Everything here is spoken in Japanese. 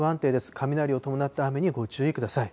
雷を伴った雨にご注意ください。